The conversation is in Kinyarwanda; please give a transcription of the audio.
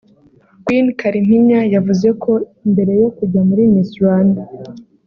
Queen Kalimpinya yavuze ko mbere yo kujya muri Miss Rwanda